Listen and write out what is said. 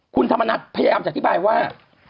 คุณธรรมนัฐพยายามจะอธิบายว่า